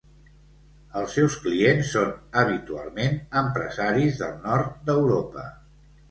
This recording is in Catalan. Els seus clients són, habitualment, empresaris del nord d'Europa.